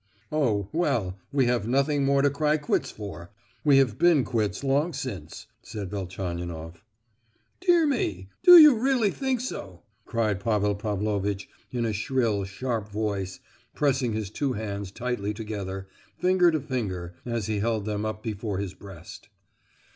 "Oh, well, we have nothing more to cry quits for. We have been quits long since," said Velchaninoff. "Dear me, do you really think so?" cried Pavel Pavlovitch, in a shrill, sharp voice, pressing his two hands tightly together, finger to finger, as he held them up before his breast.